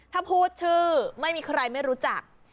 ถ้าพูดชื่อไม่มีใครไม่รู้จัก